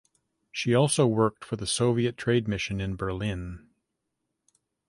She also worked for the Soviet Trade Mission in Berlin.